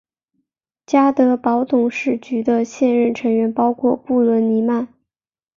家得宝董事局的现任成员包括布伦尼曼。